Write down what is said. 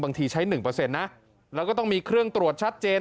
ใช้๑นะแล้วก็ต้องมีเครื่องตรวจชัดเจน